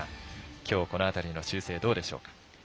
きょう、この辺りの修正どうでしょうか。